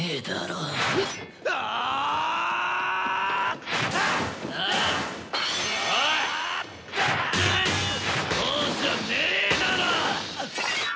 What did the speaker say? うっ！